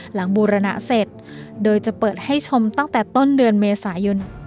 บูรณะเสร็จโดยจะเปิดให้ชมตั้งแต่ต้นเดือนเมษายน